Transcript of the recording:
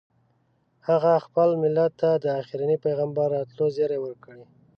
هغه خپل ملت ته د اخرني پیغمبر راتلو زیری ورکړ.